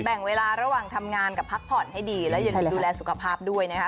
แบ่งเวลาระหว่างทำงานกับพักผ่อนให้ดีและยังไงดูแลสุขภาพด้วยนะคะ